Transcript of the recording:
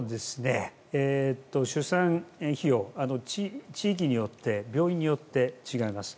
出産費用、地域によって病院によって違います。